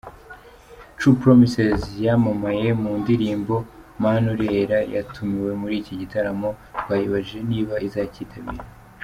True Promises yamamaye mu ndirimbo 'Mana Urera' yatumiwe muri iki gitaramo, twayibajije niba izacyitabira.